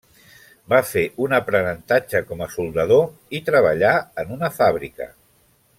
Va fer un aprenentatge com a soldador i treballà en una fàbrica.